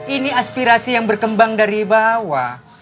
ini aspirasi yang berkembang dari bawah